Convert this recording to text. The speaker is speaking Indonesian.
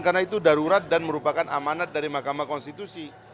karena itu darurat dan merupakan amanat dari mahkamah konstitusi